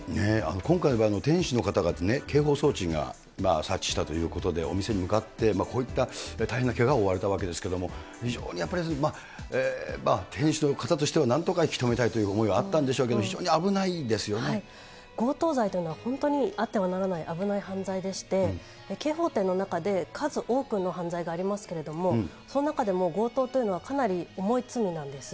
今回の場合、店主の方が、警報装置が察知したということで、お店に向かってこういった大変なけがを負われたわけですけれども、非常にやっぱり、店主の方としてはなんとか引き止めたいという思いがあったんでしょうけど、強盗罪というのは、本当にあってはならない危ない犯罪でして、刑法典の中で数多くの犯罪がありますけれども、その中でも強盗というのは、かなり重い罪なんです。